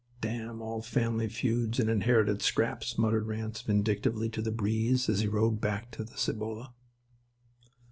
"Damn all family feuds and inherited scraps," muttered Ranse vindictively to the breeze as he rode back to the Cibolo.